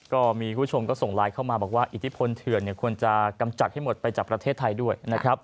ก็มีผู้ชมก็ส่งไลน์เข้ามาบอกว่าอิทธิวรรมเถิวชิดควรจะกำจัดให้หมดไปจากประเทศไทยด้วย